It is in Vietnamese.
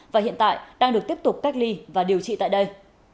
và hiện tại đang được tiếp tục cách ly và điều trị tại đây